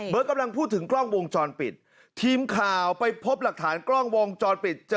กำลังพูดถึงกล้องวงจรปิดทีมข่าวไปพบหลักฐานกล้องวงจรปิดเจอ